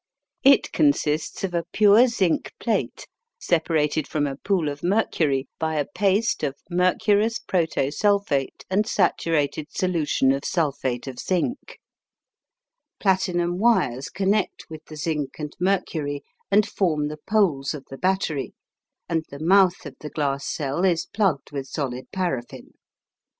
It consists of a pure zinc plate separated from a pool of mercury by a paste of mercurous proto sulphate and saturated solution of sulphate of zinc. Platinum wires connect with the zinc and mercury and form the poles of the battery, and the mouth of the glass cell is plugged with solid paraffin.